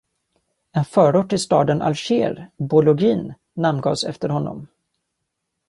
En förort i staden Alger, Bologhine, namngavs efter honom.